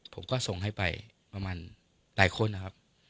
ผมก็ส่งให้ไปประมาณหลายคนนะครับ